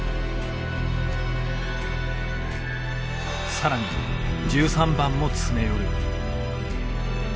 更に１３番も詰め寄る。